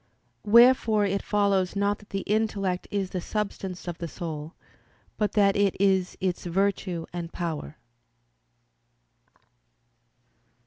Wherefore it follows not that the intellect is the substance of the soul, but that it is its virtue and power.